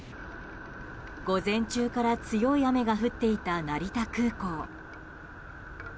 午前中から強い雨が降っていた成田空港。